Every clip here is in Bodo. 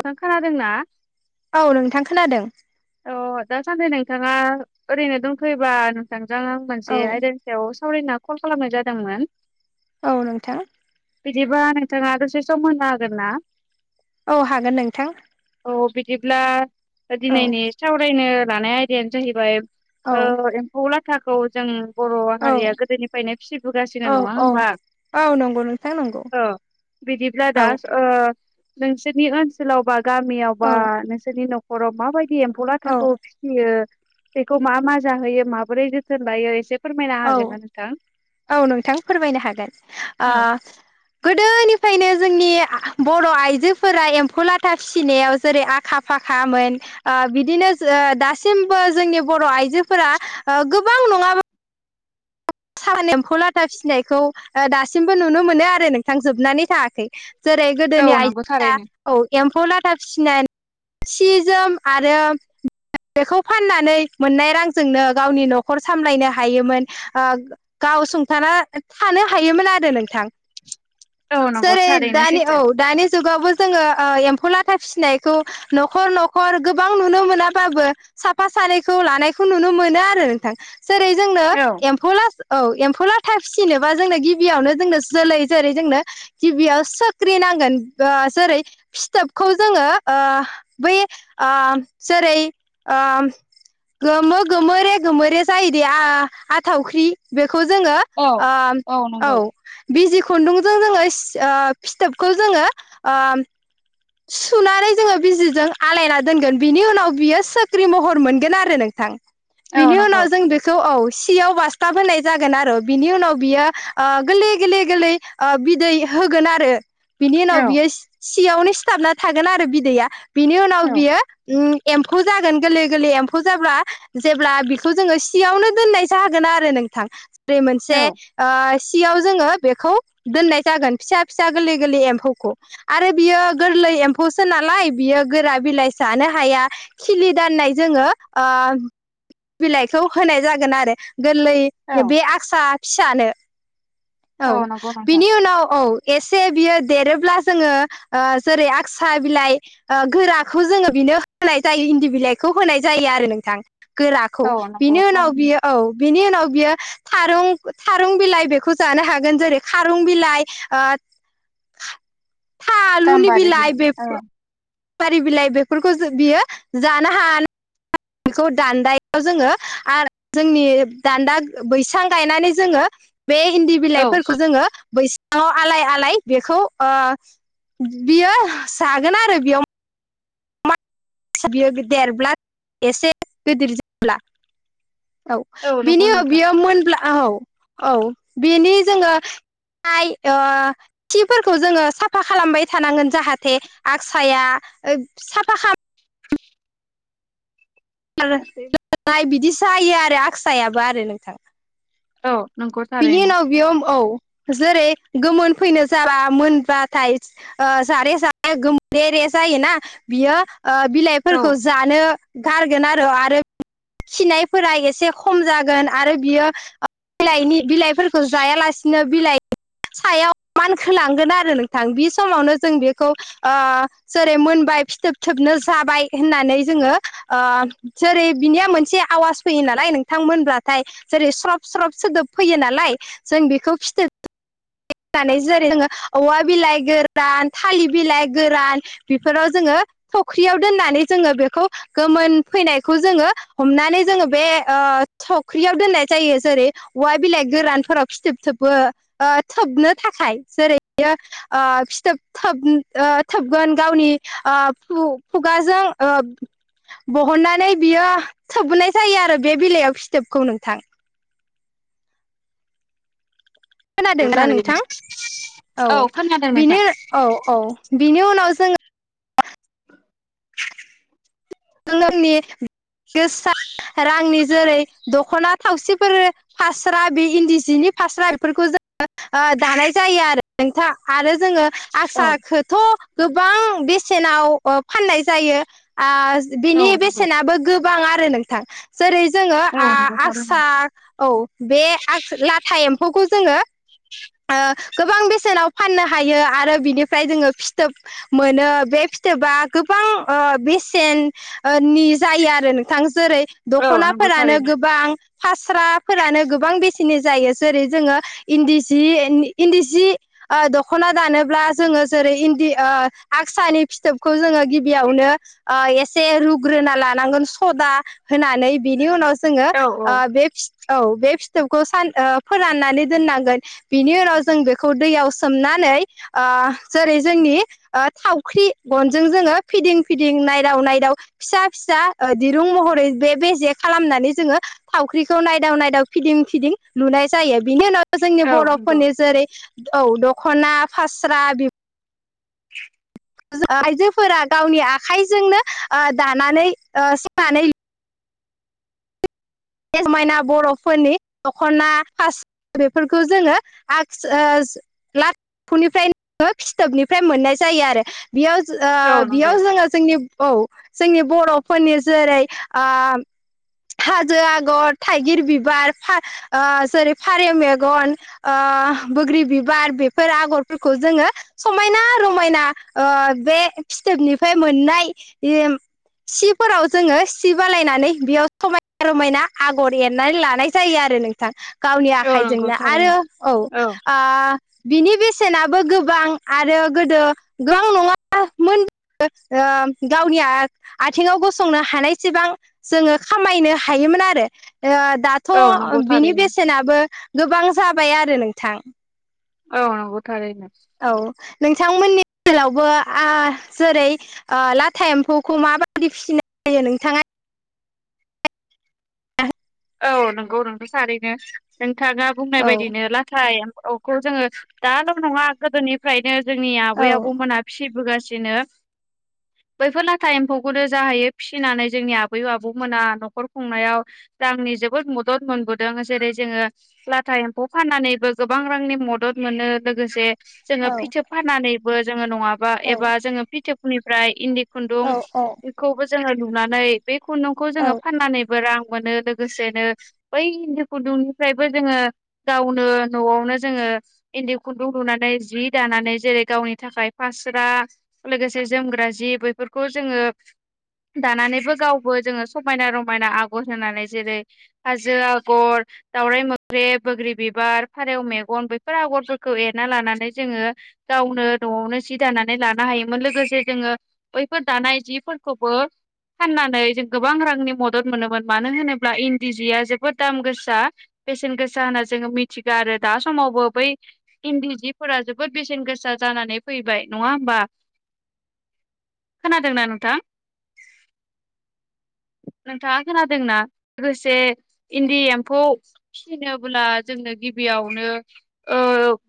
नोंथां खोनादोंना औ नोंथां खोनादों। औ अ दासानदै नोंथाङा ओरैनो दंथ'योबा नोंथां? मोजां आं औ मोनसे आयदानि सायाव सावरायना कल खालामनाय जादोंमोन। औ नोंथां। बिदिबा नोंथाङा दसे समहोनो होगोनना? औ हागोन नोंथां। औ बिदिब्ला औ दिनैनि सावरायनो लानाय आयदायानो जाहैबाय औ एम्फौ लाथाखौ जों बर' औ हारिया गोदोनिफ्रायनो फिसिबोगासिनो औ नङा औ होमबा औ नंगौ नोंथां नंगौ ओ बिदिब्ला औ दास ओ नोंसोरनि ओनसोलाव बा गामियावबा नोंसोरनि न'खराव माबायदि एम फौ औ लाथाखौ फिसियो बेखौ मा मा जाहोयो माबोरै जोथोन लायो एसे फोरमायना औ हागोन ना नोंथां? औ नोंथां फोरमायनो हागोन ओ औ [inaudible] बे आ आ बर' आइजोफोरा एम्फौ लाथा फिसिनायाव जेरै आखा फाखामोन ओ बिदिनो जों ओ दासिमबो जोंनि बर' आइजोफोरा ओ गोबां नङा- सान एम्फौ लाथा फिसिनायखौ दासिमबो नुनो मोनो आरो नोंथां जोबनानै थाङाखै जेरै गोदोनि औ नंगौ आइजोफ्रा थारैनो औ ए एमफौ लाथा फिसिनाय सि जोम आरो बेखौ फाननानै मोननाय रांजोंनो गावनि न'खर सामलायनो हायोमोन गाव संथाना थानो हायोमोन आरो नोंथां औ नंगौ सेरेथ थारैनो दानि औ सैथो दानि जुगावबो जोङो ओ एम्फौ लाथा फिसिनायखौ न'खर न'खर गोबां नुनो मोनाबाबो साफा सानैखौ लानायखौ नुनो मोनो आरो नोंथां जेरै जोंनो एम्फौलाथ औ एम्फौ लाथा फिसिनोबा जोंनो गिबियावनो जोंनो जोलै जेरै जोंनो गिबियाव सोख्रि नांगोन जेरै फिथोबखौ जोङो ओ बै ओ जेरै ओ गोमो गोमोरे गोमोरे जायो दे आ आथावख्रि बेखौ जोङो औ ओ औ बिजि खुन्दुंजों जोङो सि ओ फिथोबखौ जोङो ओ सुनानै जोङो बिजिजों आलायना दोनगोन बिनि उनाव बियो सोख्रि महर मोनगोन आरो नोंथां औ बिनि नंगौ उनाव जों बेखौ औ सियाव बास्थाब होनाय जागोन आरो बिनि उनाव बियो गोरलै गोरलै गोरलै बिदै होगोन आरो बिनि उनाव औ बियो सियावनो सिथाबना थागोन आरो बिदैया बिनि उनाव औ बियो ओ एम्फौ जागोन गोरलै गोरलै एम्फौ जाब्ला जेब्ला बिखौ जोङो सियावनो दोननाय जागोन आरो नों थां दै मोनसे औ ओ सियाव जोङो बेखौ दोननाय जागोन फिसा फिसा गोरलै गोरलै एम्फौखौ आरो बियो गोरलै एम्फौसो नालाय बियो गोरा बिलाइ जानो हाया खिलि दाननाय जोङो ओ ओ बिलाइखौ होनाय जागोन आरो गोरलै औ बे आक्सा फिसानो औ नंगौ नोंथां बिनि उनाव औ एसे बियो देरोब्ला जोङो जेरै आक्सा बिलाइ गोराखौ जोङो बि बिनो होनाय जायो इन्दि बिलाइखौ होनाय जायो आरो नोंथां गोराखौ औ नंगौ बिनि उनाव थारैनो बियो औ बिनि उनाव बियो थारुं थारुं बिलाइ बेखौ जानो हागोन जेरै खारं बिलाइ ओ था आलुनि गाम्बारि बिलाय बे बिलाइ बेफारि बिलाइ बेफोरखौ बियो जानो हान बेखौ दान्दायाव जोङो आरो जोंनि दान्दा बैसां गायनानै जोङो बे इन्दी औ बिलाइफोरखौ जोङो बै सांङाव आलाय आलाय बेखौ ओ बियो जागोन आरो बेयाव बियो देरब्ला एसे गिदिर जाबब्ला औ नंगौ बिनि नोंथां बेयो मोनब्ला औ औ बिनि जोङो हाइ ओ खिफोरखौ जोङो साफा खालामबाय थानांगोन जाहाथे आक्साया साफा खाम नाय बिदि जायो आरो आक्सायाबो आरो नोंथां औ नंगौ बिनि थारैनो उनाव बियो औ जेरै गोमोन फैनो जाबा मोनबाथाय जारे जारे गोमोरेरे जा जायोना बियो ओ औ बिलाइफोरखौ जानो गारगोन आरो आरो खिनायफोरा एसे खम जागोन आरो बियो बिलायनि बिलाइफोरखौ जायालासिनो बिलाइ सायाव मानखोलांगोन आरो नोंथां बे समावनो जों बेखौ ओ जेरै मोनबाय ओ फिथोब थोबनो जाबाय होननानै जोङो ओ जेरै बिनिया मोनसे आवाज फैयो नालाय नोंथांमोनब्लाथाय जेरै स्रब स्रब सोदोब फैयो नालाय जों बेखौ फिथोब जेरै जोङो औवा बिलाइ गोरान थालिर बिलाइ गोरान बेफोराव जोङो फख्रियाव दोननानै जोङो बेखौ गोमोन फैनायखौ जोङो हमनानै जोङो बे थावख्रियाव दोननाय जायो जेरै औवा बिलाइ गोरानफोराव फिथोबो ओ थोबनो थाखाय जेरैयो फिथोब थोबगोन गावनि आ खु खुगाजों ओ बहननानै बियो थोबबोनाय जायो आरो बे बिलाइयाव फिथोबखौ नोंथां खोनादोंना थारैनो नोंथां औ खोनादों बिनो नोंथां औ औ बिनि उनाव जोङो नोंनि गोसा रांनि जेरै दख'ना थावसिफोर फास्रा बे इनदि जिनि फास्रा बेफोरखौ जों ओ दानाय जायो आरो नोंथां आरो जोङो औ आसारखौथ' गोबां बेसेनाव ओ फाननाय जायो आ औ बिनि नंगौ बेसेनाबो गोबां आरो नोंथां जेरै जोङो औ आ नंगौ आगसा थारैनो औ बे ला था एमफौखौ जोङो ओ गोबां बेसेनाव फाननो हायो आरो बिनिफ्राय जोङो फिथोब मोनो बे फिथोबा गोबां ओ बेसेननि जायो आरो नोंथां जेरै औ नंगौ दख'नाफोरानो थारैनो गोबां फास्राफोरानो गोबां बेसेननि नि जायो जेरै जोङ इनदि जि जि इनदि ओ सि दख'ना दानोब्ला जोङो जेरै इनदि ओ आगसानि फिथोबखौ जोङो गिबियावनो एसे रुग्रोना लानांगोन सदा होनानै बिनि उनाव जोङो औ औ बे औ बे फिथोबखौ सान फोराननानै दोननांगोन बिनि उनाव जों बेखौ दैयाव सोमनानै जेरै जोंनि थावख्रि गनजों जोङो फिदिं फिदिं नायदाव नायदाव फिसा फिसा दिरुं महरै बे बेजे खालामनानै जोङो थावख्रिखौ नायदाव नायदाव फिदिं फिदिं लुनाय जायो बिनि उनाव जोंनि औ नंगौ बर'फोरनि जेरै औ दख'ना फास्रा बि [unintelligible] [inaudible] आइजोफोरा गावनि आखाइजोंनो दानानै सोनानै समायना बर'फोरनि दख'ना फास्रा बेफोरखौ जोङो लाथा एमनिफ्राय फिथोबनि फ्राय मोननाय जायो आरो बेयाव औ ओ नंगौ बेयाव जोङो जोंनि औ जोंनि बर'फोरनि जेरै हाजो आगर थाइगिर बिबार जेरै फारौ मेगन बैग्रि बिबार बेफोर आगरफोरखौ जोङो समायना रमायना बे फिथोब निफ्राय मोननाय सिफोराव जोङो सि बानायनानै बेयाव समाय समायना रमायना आगर एरनानै लानाय जायो आरो नोंथां गावनि औ नंगौ आखाइजोंनो आरो थारैनो औ बिनि बेसेनाबो गोबां आरो गोदो गोबां नङामोन गावनि आथिङाव गसंनो हानायसेबां जोङो खामायनो हायोमोन आरो ओ दाथ' औ नंगौ बिनि थारैनो बेसेनाबो गोबां जाबाय आरो नोंथां औ नंगौ थारैनो औ नोंथांमोननि बेलायावबो जेरै ओ लाथा एमफौखौ माबायदि फिसिनाय जायो नोंथाङा औ नंगौ नोंथ' थारैनो नोंथाङा बुंनाय औ बायदिनो लाथा एमफौ खौ जोङो दाल' नङा गोदोनिफ्रायनो जोंनि आबै औ आबौ मोना फिसियो बोगासिनो बैफोर लाथा एमफौखौनो जाहैयो फिसिनानै जोंनि आबै आबौमोना न'खर खुंनायाव रांनि जोबोद मदद मोनबोदों जेरै जोङो लाथा एमफौ फाननानैबो गोबां रांनि मदद मोनो लोगोसे जोङो औ फिथोब फाननानैबो जोङो नङाबा औ एबा जोङो फिथोबनिफ्राय इनदि खुनदुं औ औ बेखौबो जोङो लुनानै बे खुनदुंखौ औ जोङो फाननानैबो रां मोनो लोगोसेनो बै इनदि खुनदुंनिफ्रायबो जोङो गावनो न'आवनो जोङो इन्दि खुन्दुं लुनानै जि दानानै जेरै गावनि थाखाय फास्रा लोगोसे जोमग्रा जि बेफोरखौ जोङो दानानैबो गावबो जोङो समायना रमायना आगर होनानै जेरै हाजो आगर दावराइ मोख्रेब बोग्रि बिबार फारौ मेगन बेफोराव हरफोरखौ एरना लानानै जोङो गावनो न'आवनो सि दानानै लानो हायोमोन लोगोसे जोङो बैफोर दानाय जिफोरखौबो फाननानै जों गोबां रांनि मदद मोनोमोन मानो होनोब्ला अब्ला इन्दि जिया जोबोद दाम गोसा बेसेन गोसा होनना जोङो मिथिगौ आरो दा समावबो बै इन्दि जिफोरा जोबोद बेसेन गोसा जानानै फैबाय नङा होमबा? खोनादोंना नोंथां नोंथाङा खोनादोंना लोगोसे इन्दि एम्फौ फिसिनोब्ला जोंनो गिबियावनो ओ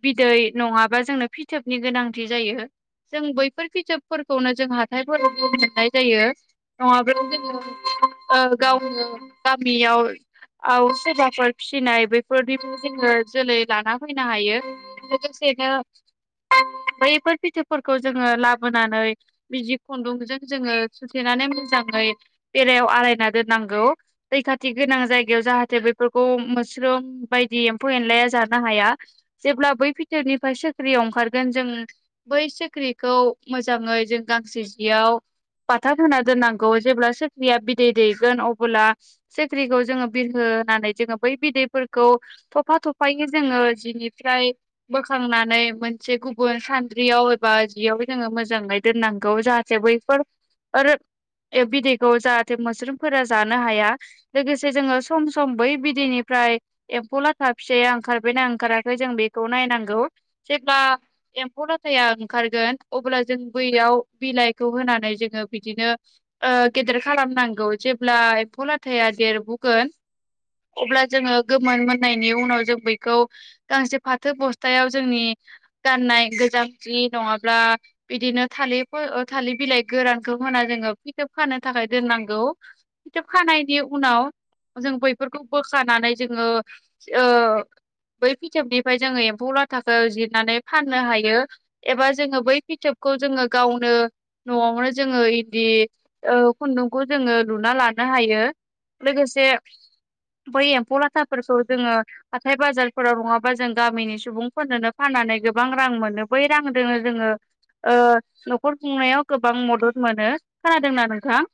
बिदै नङाबा जोंनो फिथोबनि गोनांथि जायो जों बैफोर बिजिाबफोरखौनो जों हाथायफोराव मोननाय जायो नङाब्ला जोङो ओ गावनो गामियाव औ सोरबाफोर फिसिनाय बेफोरनि जोङो जोलै लाना फैनो हायो लोगोसे सेनो बैफोर फिथोफोरखौ जोङो लाबोनानै बिजि खुन्दुंजों जोङो सुथेना माने मोजाङै बेरायाव आलायना दोननांगौ दैैखाथि गोनां जायगायाव जाहाथे बेफोरखौ मोस्रोम बायदि एम्फौ एनलाया जानो हाया जेब्ला बै भिथोरनिफ्राय साख्रि ओंखारगोन जों बै साख्रिखौ मोजाङै जों गांसे जियाव बाथा होना दोननांगौ जेब्ला सख्रिया बिदै दैगोन अब्ला साख्रिखौ जोङो बिरहो होनानै जोङो बै बिदैफोरखौ थफा थफायै जोङो जि फ्राय बोखांनानै मोनसे गुबुन सानद्रियाव एबा जियाव जोङो मोजाङै दोन नांगौ जाहाथे बैफोर बिदैखौ जाहाथे मोस्रोमफोरा जानो हाया लोगोसे जोङो सम सम बै बिदैनिफ्राय एम्फौ लाथा फिसाया ओंखारबायनाा ओंखाराखै जों बेखौ नायनांगौ जेब्ला एम्फौ लाथाया ओंखारगोन अब्ला जों बैयाव बिलायखौ होनानै जोंङो बिदिनो ओ गेदेर खालाम नांगौ जेब्ला एम्फौ लाथा थाया देरबोगोन। अब्ला जोङो गोमोन मोननायनि उनाव जों बैखौ गांसे फाथो बस्थायाव जोंनि गाननाय गोजाम जि नङाब्ला बिदिनो थालिर थालिर बिलाइ गोरानखौ होना जोङो फिथोब खानो थाखाय दोननांगौ फिथोब खानाय नि उनाव जों बैफोरखौ बोखानानै जोङो ओ बै फिथोबनिफ्राय जोङो एम्फौ लाथाखौ जिरनानै फाननो हायो एबा जोङो बै फिथोब खौ जोङो गावनो न'आवनो जोङो इन्दि ओ खुन्दुंखौ जो लुनानै लानानै हायो लोगोसे बै एम्फौ लाथाफोरखौ जोङो हाथाय बाजारफोराव नङाबा जों गामिनि सुबुंफोरनोनो फानो नानै गोबां रां मोनो बै रांजों जोङो ओ न'खर खुंनायाव गोबां मदद मोनो खोनादोंना नोंथां